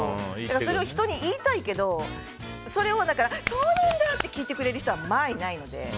それを人に言いたいけどそうなんだー！って聞いてくれる人はまあいないので。